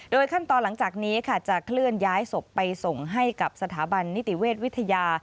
ขั้นตอนหลังจากนี้ค่ะจะเคลื่อนย้ายศพไปส่งให้กับสถาบันนิติเวชวิทยา